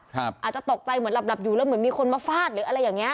อาจจะตกใจเหมือนหลับอยู่แล้วเหมือนมีคนมาฟาดหรืออะไรอย่างเงี้